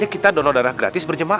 kita enggak berapa